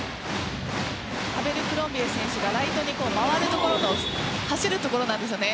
アベルクロンビエ選手がライトに回るところ走るところなんですよね。